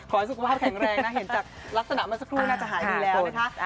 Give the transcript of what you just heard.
ขอให้สุขภาพแข็งแรงนะเห็นจากลักษณะเมื่อสักครู่น่าจะหายดีแล้วนะคะ